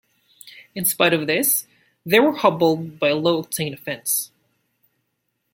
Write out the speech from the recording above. In spite of this, they were hobbled by a low-octane offense.